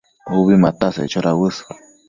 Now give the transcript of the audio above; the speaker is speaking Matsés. Ubi mataseccho dauës